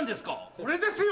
これですよ！